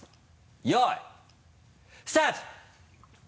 よいスタート！